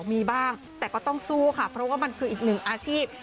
มีบ้างแต่ก็ต้องสู้ค่ะเพราะว่ามันคืออีกหนึ่งอาชีพ